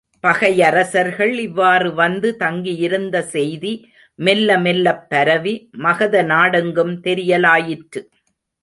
பகையரசர்கள் இவ்வாறு வந்து தங்கியிருந்த செய்தி மெல்ல மெல்லப் பரவி, மகத நாடெங்கும் தெரியலாயிற்று.